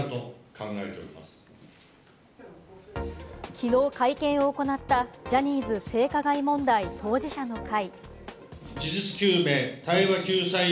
きのう会見を行ったジャニーズ性加害問題当事者の会。